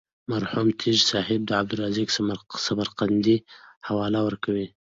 مرحوم تږی صاحب د عبدالرزاق سمرقندي حواله ورکوي.